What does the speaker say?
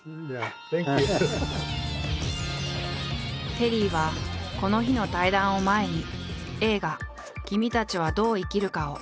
テリーはこの日の対談を前に映画「君たちはどう生きるか」を見てきたという。